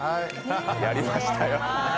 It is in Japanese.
やりましたよ。